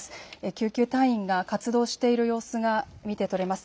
救急隊員が活動している様子が見て取れます。